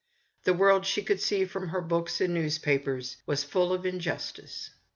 The world, she could see from her books and newspapers, was full of injustice.